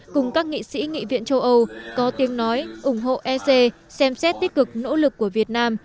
cùng các nghị sĩ nghị viện châu âu có tiếng nói ủng hộ ec xem xét tích cực nỗ lực của việt nam